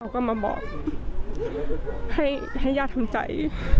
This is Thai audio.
เขาก็มาบอกให้ญาติทำใจ